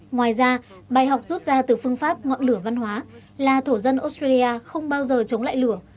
ngoài ra bài học rút ra từ phương pháp ngọn lửa văn hóa là thổ dân australia không bao giờ chống lại lửa